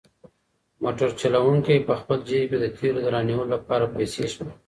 موټر چلونکی په خپل جېب کې د تېلو د رانیولو لپاره پیسې شمېري.